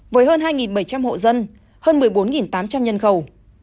với hơn hai bảy trăm linh hộ dân hơn một mươi bốn tám trăm linh nhân khẩu